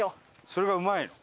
それがうまいの？